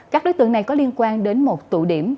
các đối tượng này có liên quan đến một tụ điểm